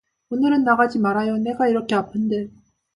오늘은 나가지 말아요, 내가 이렇게 아픈데